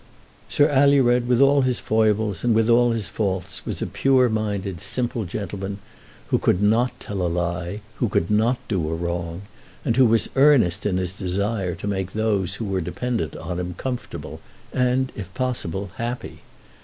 Sir Alured, with all his foibles and with all his faults, was a pure minded, simple gentleman, who could not tell a lie, who could not do a wrong, and who was earnest in his desire to make those who were dependent on him comfortable, and, if possible, happy.